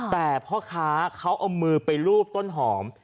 แต่พ่อค้าเขาเอามือไปรูปต้นหอม